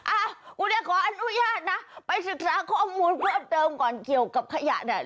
อ่ะคุณจะขออนุญาตนะไปศึกษาข้อมูลเพิ่มเติมก่อนเกี่ยวกับขยะเนี่ย